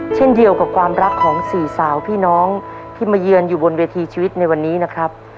เช่นเดียวกับความรักของสี่สาวพี่น้องที่มาเยือนอยู่บนเวทีชีวิตในวันนี้นะครับ